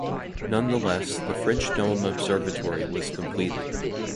Nonetheless, the French Dome observatory was completed.